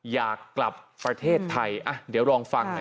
อยากกลับประเทศไทยอ่ะเดี๋ยวลองฟังนะครับ